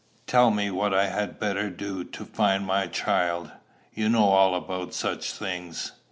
Tell me what I had better do to find my child. You know all about such things."